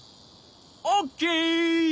オッケー！